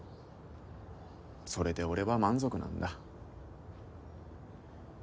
それで俺は満足なんだ。